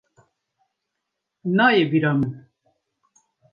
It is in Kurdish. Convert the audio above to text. Nayê bîra min!